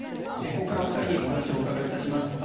ここからお二人にお話をお伺いいたします。